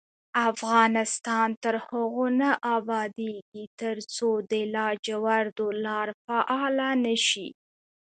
افغانستان تر هغو نه ابادیږي، ترڅو د لاجوردو لار فعاله نشي.